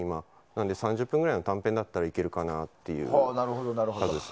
なので３０分ぐらいの短編だったらいけるかなという数です。